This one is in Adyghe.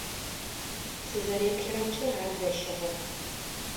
Сызэреплъырэмкӏэ ар зэщыгъо.